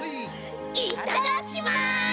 いただきます！